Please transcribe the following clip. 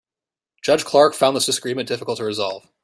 Judge Clark found this disagreement difficult to resolve.